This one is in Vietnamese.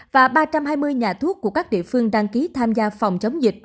và ba trăm hai mươi nhà thuốc của các địa phương đăng ký tham gia phòng chống dịch